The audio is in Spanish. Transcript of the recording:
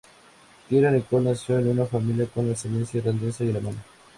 Keira Nicole nació en una familia con ascendencia irlandesa y alemana.